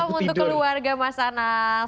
selamat malam untuk keluarga mas anang